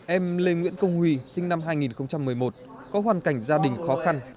em lê nguyễn công huy sinh năm hai nghìn một mươi một có hoàn cảnh gia đình khó khăn